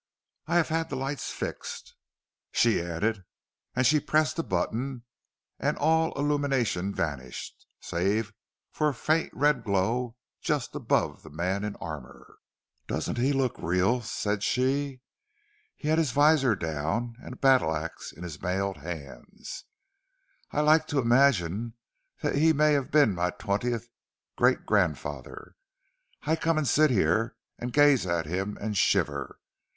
"I have had the lights fixed," she added. And she pressed a button, and all illumination vanished, save for a faint red glow just above the man in armour. "Doesn't he look real?" said she. (He had his visor down, and a battle axe in his mailed hands.) "I like to imagine that he may have been my twentieth great grandfather. I come and sit here, and gaze at him and shiver.